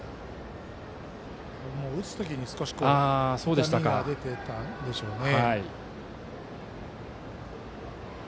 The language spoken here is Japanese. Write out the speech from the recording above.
打つ時に少し痛みが出ていたんでしょうね。